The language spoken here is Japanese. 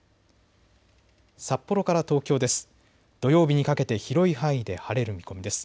札幌から東京です。